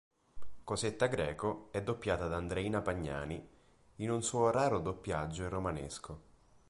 Cosetta Greco è doppiata da Andreina Pagnani in un suo raro doppiaggio in romanesco